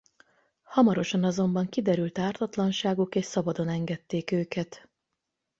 Hamarosan azonban kiderült ártatlanságuk és szabadon engedték őket.